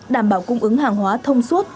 đảm bảo cung ứng hàng hóa thông suốt